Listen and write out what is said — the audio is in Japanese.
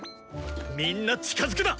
みんな近づくな！